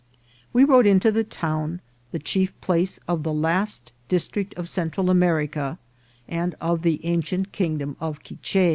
We rode into the town, the chief place of the last district of .Central America and of the an cient kingdom of Quiche.